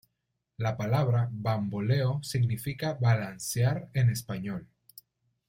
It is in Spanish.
La palabra ""bamboleo"" significa ""balancear"" en español.